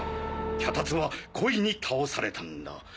脚立は故意に倒されたんだ。